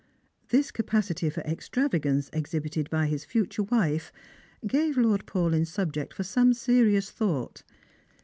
This capacity for extravagance exhibited by his future wife gave Lord Paulyn subject for some serious thought.